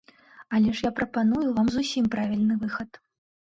Але ж я прапаную вам зусім правільны выхад.